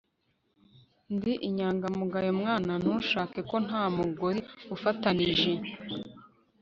ndi 'inyangamugayo mwana, ntushake ko nta mugozi ufatanije